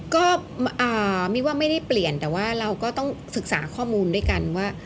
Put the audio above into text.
ก็มีว่าไม่ได้เปลี่ยนแต่ว่าเราก็ต้องศึกษาข้อมูลด้วยกันว่า